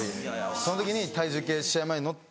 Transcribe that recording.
その時に体重計試合前に乗って。